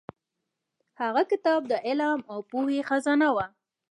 هغه کتاب د علم او پوهې خزانه وه.